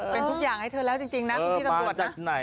เป็นทุกอย่างให้เธอแล้วจริงนะคุณพี่ตำรวจนะ